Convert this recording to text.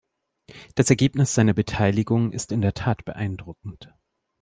Das Ergebnis seiner Beteiligung ist in der Tat beeindruckend.